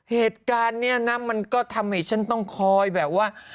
เหตุการณ์นี้นะมันก็ทำให้ฉันต้องคอยแบบว่า